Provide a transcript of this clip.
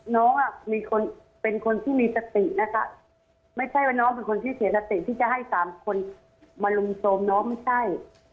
น้องอ่ะมีคนเป็นคนที่มีสตินะคะไม่ใช่ว่าน้องเป็นคนที่เสียสติที่จะให้สามคนมารุมโทรมน้องไม่ใช่